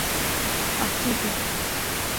あっちいけ